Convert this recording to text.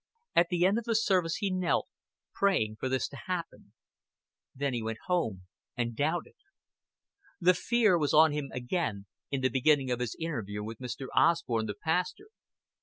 At the end of the service he knelt, praying for this to happen. Then he went home and doubted. The fear was on him again in the beginning of his interview with Mr. Osborn the pastor.